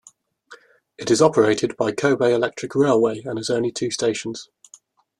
It is operated by Kobe Electric Railway and has only two stations.